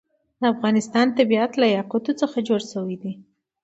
د افغانستان طبیعت له یاقوت څخه جوړ شوی دی.